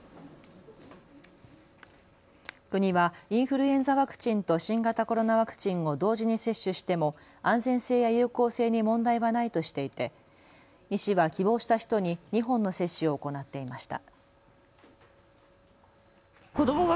国はインフルエンザワクチンと新型コロナワクチンを同時に接種しても安全性や有効性に問題はないとしていて医師は希望した人に２本の接種を行っていました。